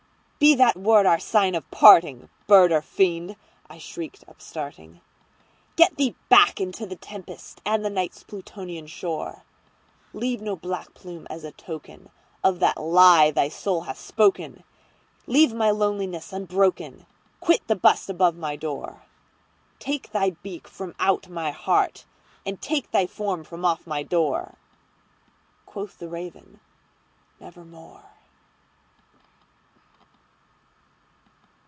"Be that word our sign of parting, bird or fiend!" I shrieked, upstarting:"Get thee back into the tempest and the Night's Plutonian shore! Leave no black plume as a token of that lie thy soul hath spoken! Leave my loneliness unbroken! quit the bust above my door! Take thy beak from out my heart, and take thy form from off my door!"Quoth the Raven, "Nevermore."